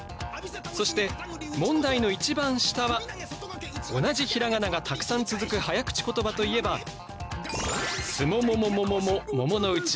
そして問題の一番下は同じひらがながたくさん続く早口言葉といえば「すもももももももものうち」。